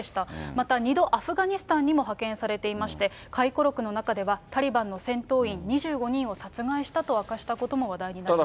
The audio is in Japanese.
また２度、アフガニスタンにも派遣されていまして、回顧録の中では、タリバンの戦闘員２５人を殺害したと明かしたことも話題になりま